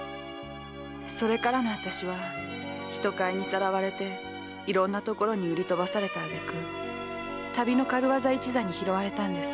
それからのあたしは人買いにさらわれていろんなところに売りとばされた挙句に旅の軽業一座に拾われたんです。